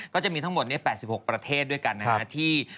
ก็จะมีทั้งหมด๘๖ประเทศด้วยกันนะครับที่